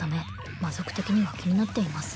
「まぞく的には気になっています」